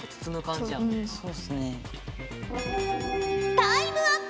タイムアップ